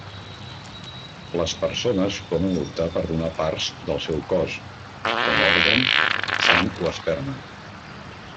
Les persones poden optar per donar parts del seu cos, com òrgans, sang o esperma.